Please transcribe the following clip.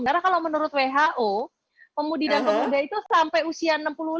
karena kalau menurut who pemudi dan pemuda itu sampai usia enam puluh lima